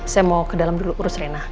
saya mau kedalam dulu urus rena